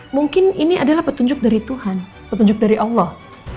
mungkin ini adalah petunjuk dari tuhan petunjuk dari allah